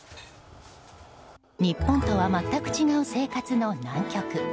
日本とは全く違う生活の南極。